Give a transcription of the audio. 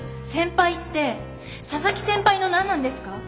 先輩って佐々木先輩の何なんですか？